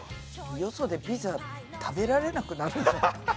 よそでピザ食べられなくなるかも。